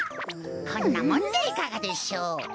こんなもんでいかがでしょう？